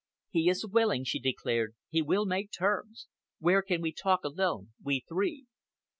"He is willing," she declared. "He will make terms. Where can we talk alone, we three?"